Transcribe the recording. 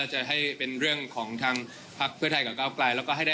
จะให้เป็นเรื่องของทางพรัฐไทยกับก้าวไกล